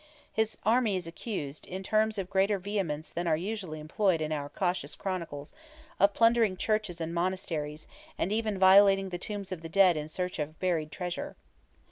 His army is accused, in terms of greater vehemence than are usually employed in our cautious chronicles, of plundering churches and monasteries, and even violating the tombs of the dead in search of buried treasure.